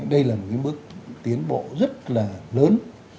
đây là một bước tiến bộ rất là lớn